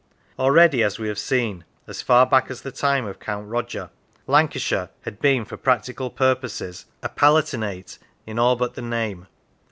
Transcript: Already, as we have seen, as far back as the time of Count Roger, Lancashire had 63 Lancashire been, for practical purposes, a Palatinate in all but the name.